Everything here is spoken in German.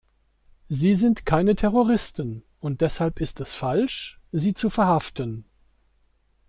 Sie sind keine Terroristen, und deshalb ist es falsch, sie zu verhaften.